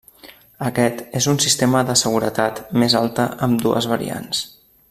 Aquest és un sistema de seguretat més alta amb dues variants.